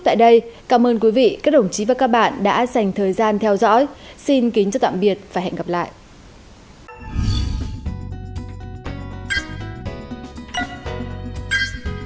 hãy đăng ký kênh để ủng hộ kênh của mình nhé